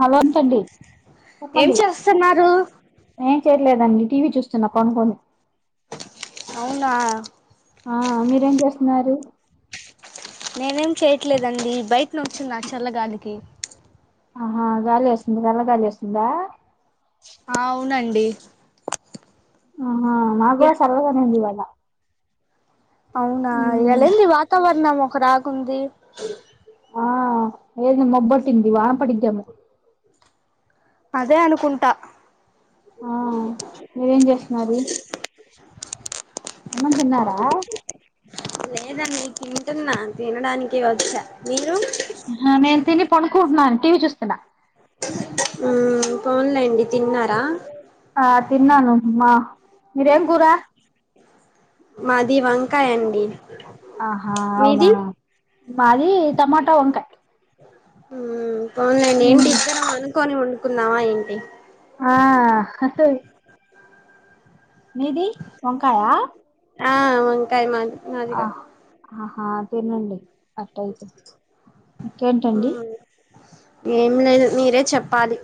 హలోంచండి ఏం చెప్పండి చేస్తున్నారు ఏ చేయలేదండి టీవీ చూస్తున్నా కొనుక్కని అవునా ఆ మీరేం చేస్తున్నారు నేనేం చేయట్లేదండి ఈ బైక్ న వచ్చుంది చల్లగాలికి ఆహా గాలి వేస్తుంది గలా గాలి వస్తుందా ఆ అవునండి ఆహా మకుడ సళ్ళగ ఉంది ఇవాల అవునా ఉమ్, ఎళంది వాతవరణము రాక ఉంది ఆ ఏది మబ్బట్టింది వాన పడిద్ది ఏమో అదే అనుకుంట ఆ మీరేం చేస్తనారు అన్నం తిన్నారా లేదండి తింటున్నా తినడానికి వచ్చా మీరు నేను తిని పనుకుంటున్నా టీవ చూస్తున్న పోన్లేండి తిన్నార ఆ తిన్నాను మా మీరేం కూర మాది వంకాయ అండి ఆహా అవునా మీది మాది టమాటా వంకాయ పోవునులేండి ఉమ్, ఏంటి ఇద్దరం అనుకొని వండుకుందామా ఏంటి ఆ మీది వంకాయా ఆ వంకాయ మాది మాదిగా ఆహా తినండి అట్టయితే ఇంకేంటండి మ్మ్ ఏం లేదు మీరే చెప్పాలి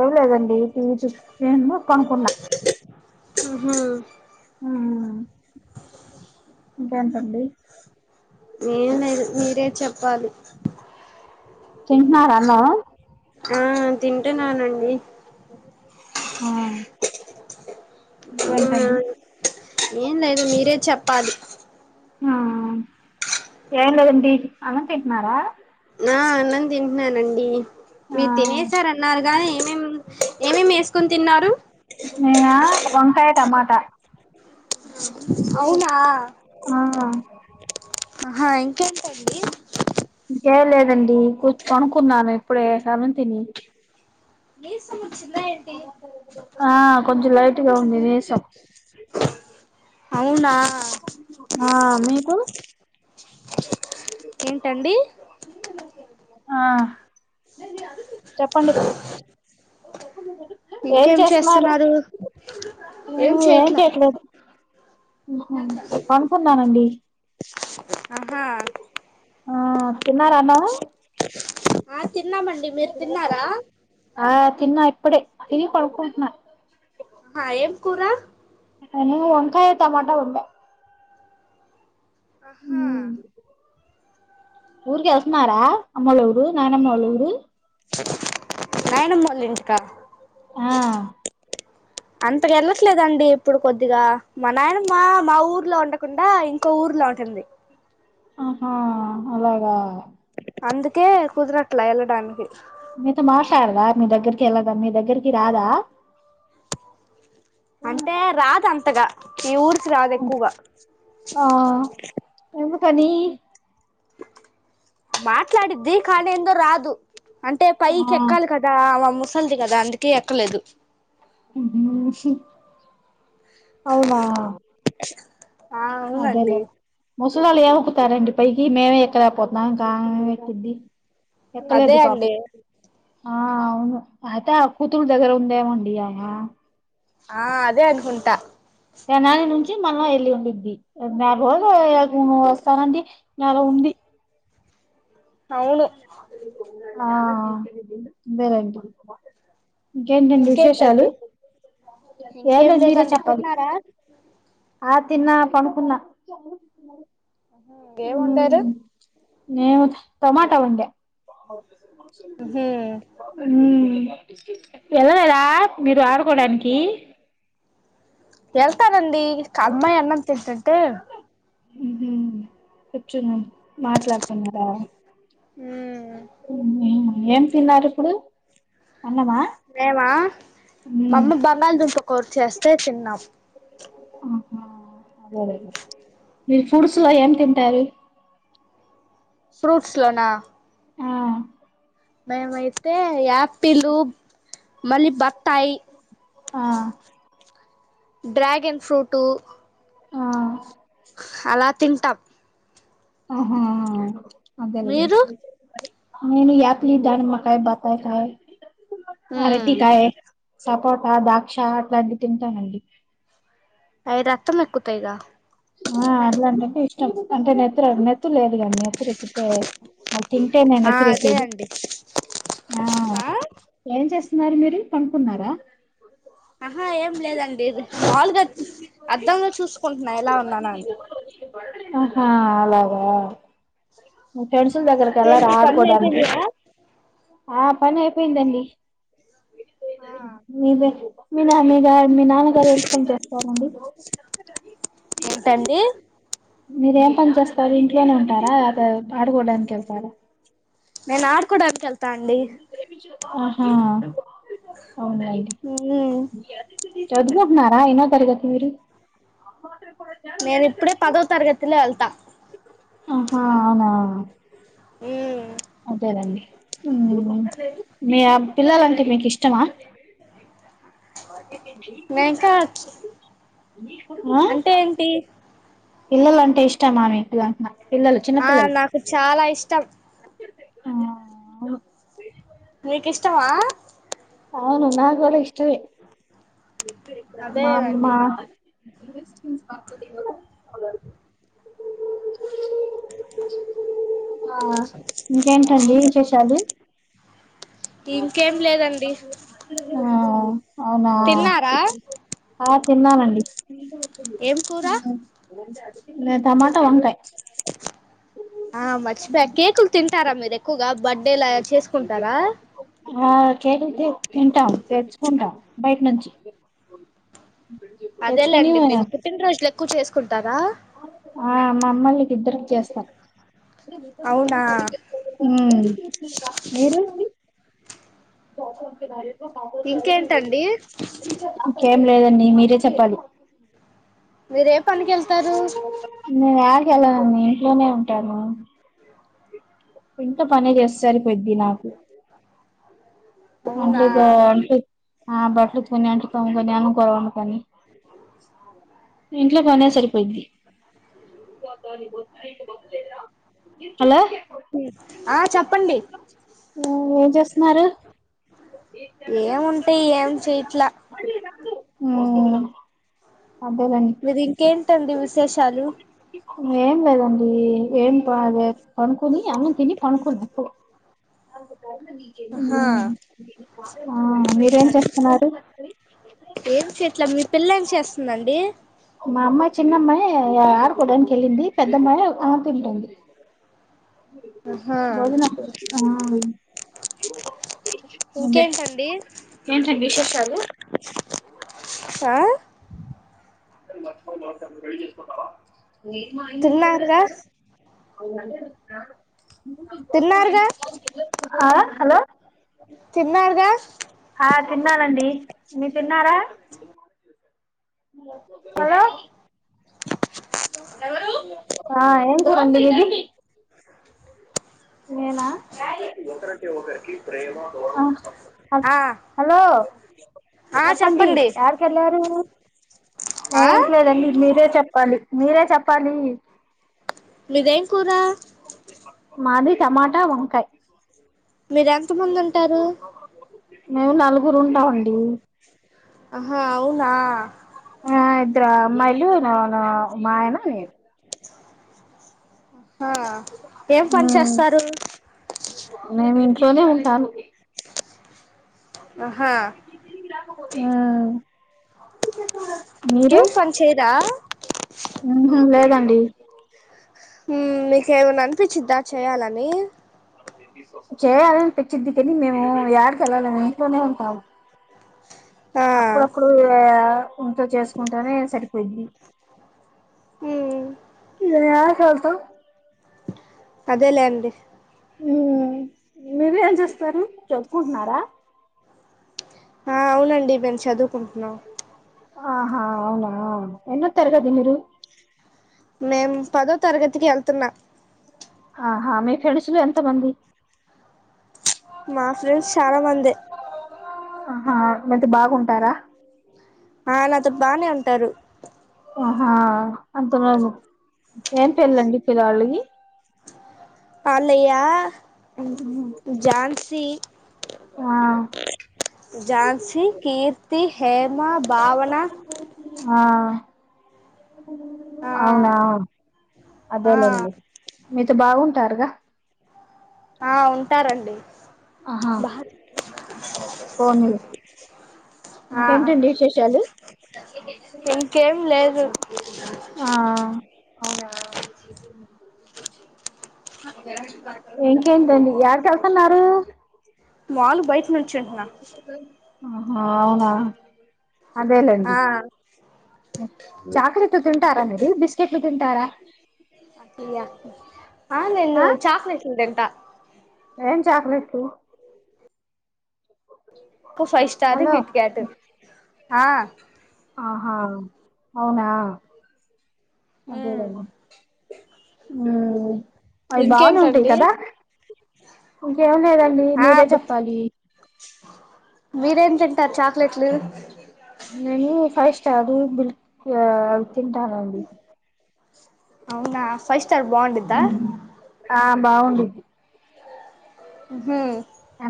ఎవ లేదండి వి చ ఏమ పనుకుడలే ఉహు అ ఇంకేంటండి నే మీరే చెప్పాలి తంటున్నారలో ఆ తింటున్నానండి అవునా ఇంటండి ఏం లేదు మీరే చెప్పాలి ఆ ఏ లేదండి అనంతంటన్నారా ఆ అన్నం తింటున్నానండి మీరు తినేసార అన్నారు నీ ఏమేం ఏమేమి వేసుకుొని తిన్నారు నేనా వంకాయ టమాటా అవునా ఆ హా ఇంకేంటండి చేయలేదండిర్ కొనుకున్నాను ఇప్పుడే సవంతిని బస్ ఆ కొంచెం లైట్గా ఉంది నసం అవునా ఆ మీకు ఏంటండి ఆ చెప్పండి ఏం చేస్తున్నారు ఏం చె ఎట్ల పనుకున్నానండి ఆహా ఆ తిన్నార అన్న ఆ తిన్నామండి మీరు తిన్నారా ఆ తిన్నా ఇప్పుడే తిని కొనుకుంటున్నా కుకుర వంకాయ టమాోటా ఉంటే ఆహా ఊరికి వస్తున్నారా అమ్మల ఊరు నానమ్మ వాళ్ళ ఊరు కయనా మ లంకా ఆ అంతక వెళ్ళట్లేదండి ఇప్పుడు కొద్దిగా మా నాయన మా మా ఊర్లో ఉండకుండా ఇంకో ఊర్లో ఉంటుంది ఆహా అలాగా అందుకే కుదరట్లే వెళ్ళడానికి మీతో మాట్లాడదా మీ దగ్గరికి వెళ్ళదా మీ దగ్గరికి రాదా అంటే రాదు అంతగా ఈ ఊరికి రాదు ఎక్కువగా ఆ ఎందుకని మాట్లాడిద్ది కానీందో రాదు అంటే పైకి ఆ ఎక్కాలి కదా మమ్మ అసది కదా అందుకే ఎక్కలేదు అష అవునా ఆ అదేలే అవునండి ముసులొల్లు ఏం ఎక్కుతారండి పైకి మేమే ఎక్కడకపోతున్నాం ఇంకా ఆమె ఏమి ఎక్కుది అదే ఎక్కలేదు పాప అండి ఆ అవును అయితే కూతురుల దగ్గర ఉందేమండి అమే ఆ అదే అనుకుంటా ఎనాని నుంచి మల్లా వెళ్ళి ఉ ది నెల రోజులు వస్తానండి నెల ఉంది అవును ఆ అతేలెండి ఇంకేంటండి ఏం ఇంకేం లేదు మీరే లేదండి చెప్పాలి తిన్నారా ఆ తిన్నా పడుకున్న ఇంకేం వండారు నేను టమాట వండ ఆమ్ వెళ్ళలేదా మీరు [unintelligible] కొడానికి ఎళ్తనండి అమ్మాయి అన్నం తింటుంటే కూర్చున్న మాట్లాడుతున్నరా ఆ [unintelligible] ఏం తిన్నారు ఇప్పుడు అన్నమా మేమా మా ఉమ్ అమ్మ బంగాళదుుంప కూర చేస్తే తిన్నాం [unintelligible] మీరు ఫ్రూట్స్ లో ఏం తింటారు ఫ్రూట్స్ లోనా ఆ మేమ్ అయితే యాప్ ఆపిలు మళ్ళీ బత్తాయి ఆ డ్రాగన్ ఫ్రూటు ఆ అలా తింటాం ఆహా అద మీరు ఆ యాపిల్ దానిమ్మకాయ్ బత్తాయికాయ్ మ్మ్ అరటికాయ్ సపోటా దాక్ష అట్లాంటి తింటానండి అయిదు అత్త ముక్కుతా ఈగ ఆ అట్లాంటంటే ఇష్టం అంటే నెత్రు నెత్తురు లేదుకద నెత్తురు ఎక్కితే తింటే ఆ నెత్తురు అదే ఎక్కిరు అండి ఆ ఏం చే గారు పనుకున్నారా ఆహా ఏం లేదండి పాలుగా అర్ధంగా చూసుకుంటున్నా ఎలా ఉన్నా [unintelligible] [inaudible] ఆహా అలాగా మీ ఆ ఫ్రెండ్స్లుదగ్గరకెల్లరా ఇంకేంటి పనులు ఆడుకోడానికి అయిపోయినయా ఆ పన్లుఅయిపోయిందండి ఆ మీదే మీ నా మీ గ మీ నాన్నగారు ఏం పని చేస్తారండి ఏంటండీ ఏం పని చేస్తారు ఇంట్లోనే ఉంటారా అద ఆడుకోడానికి వెళ్తారా నేన్ ఆడుకొడానికి ఆహా అవునా అండి మ్మ్ చదువుకుంటున్నార ఎన్నో తరగతి రు [unintelligible] నేను ఇప్పుడే పదో తరగతిలో వెళ్తా ఆహా అవునా ఉ అదేనండి మీ పిల్లలంటే మీకు ఇష్టం ఇష్టవా చ నేను ఇంకా [unintelligible] ఆ అంటే ఏంటి పిల్లలు అంటే ఇష్టమా మీకు పిల్లలు చిన్న ఆ పిల్లలు నాకు చాలా ఇష్టం కుత్త [unintelligible] ఆ మీకు ఇష్టమ అవును నాకూడా ఇష్టవే అదేనండి మామా స్ [unintelligible] ఆ ఇంకేంటండి విశేషాలు ఇంకేం లేదండి ఆ అవునా తిన్నారా తిన్నానండి ఏం కూరా ఇ టమాటా వంకాయ ఆ మర్చిపోయా కేకులు తి తంటారా మీరు ఎక్కువగా బర్త్డే లా చేసుకుంటారా ఆ కేతే తింటాం తెచ్చుకుంటాం బయట నుంచి తెచ్చుకొని అదేలేండి మీరు పుట్టినరోజుల ఎక్కువ చేసుకుంటారా ఆ మా అవునా ఉమ్ మీర [unintelligible] బార ఇంకేంటండి [unintelligible] [inaudible] లేదండి మీరే చెప్పాలి మీరే పనికిళ్ న ఎలా అండి ఇంట్లోనే ఉంటను ఇంకా పనే చేస్తారు పెద్ద నాకు అవునా అట్లేదు అంట ఆ బట్టలు కొని అంటుతాము కాని అన్నకోరవను కాని ఇంట్లో కానీ సరిపోయింది హలో ఉమ్ ఆ చెప్పండి ఏం చేస్తున్నారు ఏంంటాయి ఏం చెయట్లా ఉమ్ మీరు ఇంకేంటండి విశేషాలు ఏం లేదండి ఏం పనుకుొని అమ్న్నని తిని పనుకోలే అప్పుడు ఉమ్ ఏమి చెట్ల మీ పిల్ల ఏమి చేస్తుందండి మా అమ్మాయి చిన్నమ్మాయి ఆరుకోడానికి వెళ్ళింది పెద్దమ్మాయి ఆ తింటుంది ఆహా భోజన అ ఇవ అందే ఇంకేంటండి ఏంతండి విశేష అలు ఆ ఇప్పుడు వాడిని మర్చిపోయి వాడినే పెళ్లి చేసుకుంటావా నేట్ మా అయింది ఎంత తిన్నారుగా పొలేస్తారు అవుళ తిన్నారుగా ఆ అ హలో తిన్నారుగా తిన్నానండి తిన్నారా హలో ఎవరు ఆ ఎం కూర అండి మీది నేనా ఆ హలో చెప్పండి యారకి వెళ్ళారు ఆ ఏంటి లేడండి మీరే చెప్ప చెప్పాలి మీరే చెప్పాలి మీదేం కూర మాది టమాటా వంకాయ మీర ఎంత మంది ఉంటారు మేము నలుగురు ఉంటామండి ఆహా అవునా ఆ ఇద్దరు అమ్మాయిలు మాయనా నేను ఆ ఏం పని చేస్తారు నేను ఇంట్లోనే ఉంటాను ఆహా గ్రా ఆ ఇంకేం పని చేయదా అండి ఉమ్ మీకే మన్నా చుప్పించిద్దా చేయాలని చేయాలనిపించింది కాని మేము ఎడికి వెళ్ళాలము ఇంట్లోనే ఉంటాము ఆ అప్పుడప్పుడు కొంత చేసుకుంటానే సరిపోయింది ఇంక ఎడకి వెళ్ళాతం అదే లేండి ఉ మీరు ఏం చేస్తారు చదువు కుంటున్నారా ఆ అవునండి మేము చదువుకుంటున్నాం ఆహా అవునా ఎన్నో తరగతి మీరు మేం పదో తరగతికి వెళ్తున్నా ఆహా మే ఫ్రెండ్స్ లు ఎంత మంది మా ఫ్రెండ్స్ చాలామందే ఉంటారా ఆ నాతో బానే ఉంటారు ఆహా అంత ఏం పెర్లుండి పిల్లలియి అలాయ ఝాన్సీ ఆ ఝాన్సీ కీర్తి హేమ భావన ఆ ఆ అవునా ఆ అదేలేండి మీతో బాగుంట టారుగా ఆ ఉంటారంండి ఆహా బ పోనీలే ఇంకేంటండి విశేషాలు ఇంకేం లేదు ఆ అవునా ఇంకేంటండి యాడికి వెళ్తున్నారు మాములు బయట నుంచుంటున్నా ఆహా అవునా ఆ అదేలేండి చాక్లెట్ తింటారా మీరు బిస్కెట్ ఆ నేను ఆ చాక్లేెట్ తింట ఏం చాక్లెట్ ఇ ఫైవ్ స్టారు హలో కిట్కాట్ ఆా ఆహా అవునా అదేద అవి బాగునే ఉంటాయి ఇంకేంటండి కదా ఇంకేం లేదండి ఆ మీరే చెప్పాలి మీరేం తింటారు చాక్లెట్లు నను ఫస్ట్ చది బల్ తింటానండి వునా ఫైవ్ స్టార్ బాగుండద్ద ఆ బాగుండిద్ది హ అ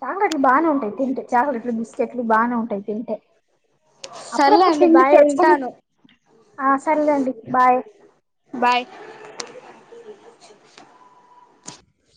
చాక్లెట్లు బాగానే ఉంటాయి తింటే చాక్లెట్లు బిస్కెట్లు బాగానే ఉంటాయి తింటే సర్లే అప్పుడప్పుడు అండి తిండి బాయ్ తెచ్చుకొని ఉంటాను ఆ సరెలేండి బాయ్ బాయ్